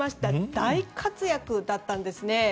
大活躍だったんですね。